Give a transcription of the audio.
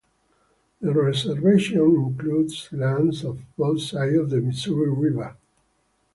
The reservation includes lands on both sides of the Missouri River.